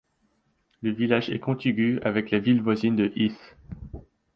Le village est contigü avec la ville voisine de Hythe.